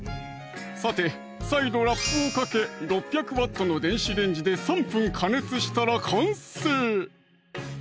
さて再度ラップをかけ６００Ｗの電子レンジで３分加熱したら完成！